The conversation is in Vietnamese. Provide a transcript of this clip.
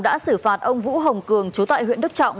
đã xử phạt ông vũ hồng cường chú tại huyện đức trọng